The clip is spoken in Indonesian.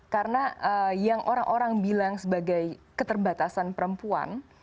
karena yang orang orang bilang sebagai keterbatasan perempuan